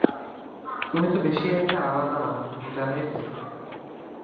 তুমি তো বেশি একটা আলাদা না, জানোইতো?